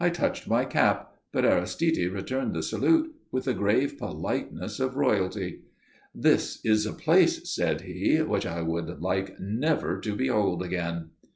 I touched my cap, but Aristide returned the salute with the grave politeness of royalty. "This is a place," said he, "which I would like never to behold again."